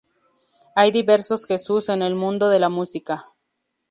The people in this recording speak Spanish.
Hay diversos Jesús en el mundo de la música".